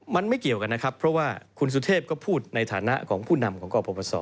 มันไม่เกี่ยวกันนะครับเพราะว่าคุณสุเทพก็พูดในฐานะของผู้นำของกรปศ